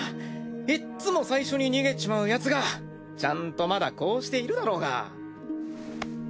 いっつも最初に逃げちまうヤツがちゃんとまだこうしているだろうが。